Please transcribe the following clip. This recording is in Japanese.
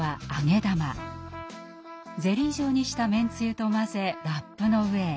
ゼリー状にしためんつゆと混ぜラップの上へ。